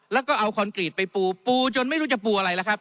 แล้วก็เอาคอนกรีตไปปูปูจนไม่รู้จะปูอะไรล่ะครับ